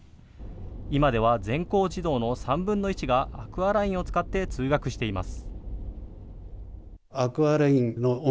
今では全校児童の３分の１がアクアラインを使って通学しています。